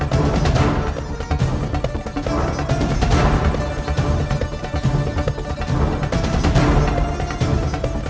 menangkan raka wisapati falaguna